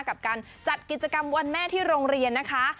กับการจัดกิจกรรมวันแม่ที่โรงเรียนนะคะ